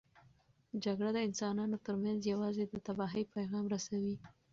جګړه د انسانانو ترمنځ یوازې د تباهۍ پیغام رسوي.